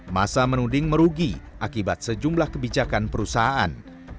masa menuding merugi akibat sejumlah kebijakan perusahaan